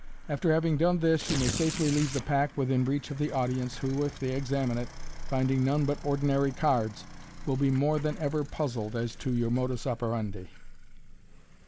After having done this, you may safely leave the pack within reach of the audience, who, if they examine it, finding none but ordinary cards, will be more than ever puzzled as to your modus operandi.